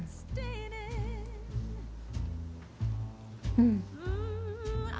うん！